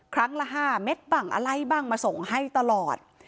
ครั้งละ๕เม็ดบ้างอะไรบ้างมาส่งให้ตลอด